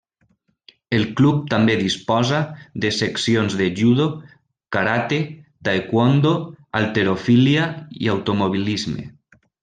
El club també disposa de seccions de judo, karate, taekwondo, halterofília i automobilisme.